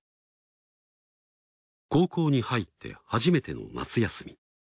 高校に入って初めての夏休み。